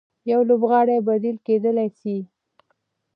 يو لوبغاړی بديل کېدلای سي.